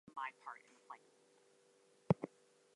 The long tail helps the caiman lizard to successfully swim and dive.